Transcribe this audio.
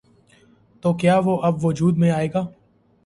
تو کیا وہ اب وجود میں آئے گا؟